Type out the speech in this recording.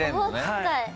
はい。